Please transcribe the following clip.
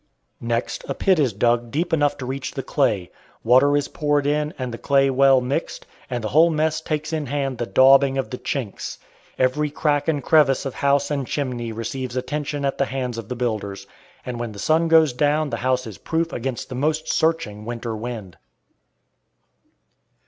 Next, a pit is dug deep enough to reach the clay; water is poured in and the clay well mixed, and the whole mess takes in hand the "daubing" of the "chinks." Every crack and crevice of house and chimney receives attention at the hands of the builders, and when the sun goes down the house is proof against the most searching winter wind.